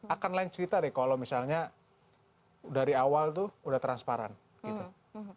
akan lain cerita deh kalau misalnya dari awal tuh udah transparan gitu